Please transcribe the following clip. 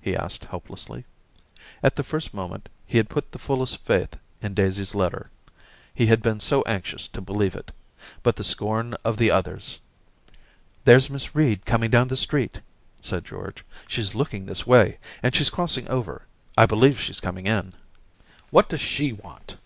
he asked helplessly. At the first moment he had put the fullest faith in Daisy's letter, he had been so anxious to believe it ; but the scorn of the others. .•. 'There's Miss Reed coming down the street/ said George. 'She's looking this way, and she's crossing over. I believe she's coming in.' * What does she want ?